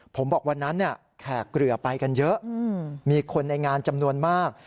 ผมบอกวันนั้นแขกเรือไปกันเยอะมีคนในงานจำนวนมาก